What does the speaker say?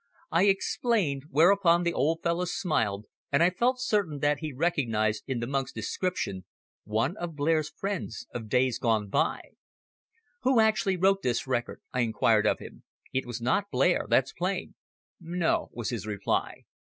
I explained, whereupon the old fellow smiled, and I felt certain that he recognised in the monk's description one of Blair's friends of days bygone. "Who actually wrote this record?" I inquired of him. "It was not Blair, that's plain." "No," was his reply.